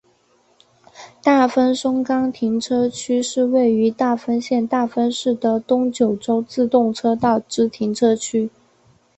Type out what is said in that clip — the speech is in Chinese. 大分松冈停车区是位于大分县大分市的东九州自动车道之停车区。